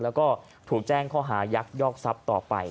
แล้วก็ถูกแจ้งข้อหายักยอกทรัพย์ต่อไป